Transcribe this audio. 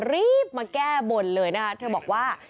รีบมาแก้บนเลยนะคะเธอบอกว่า